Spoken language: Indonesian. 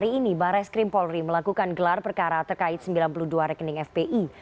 hari ini bares krim polri melakukan gelar perkara terkait sembilan puluh dua rekening fpi